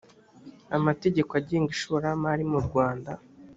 amategeko agenga ishoramari mu rwanda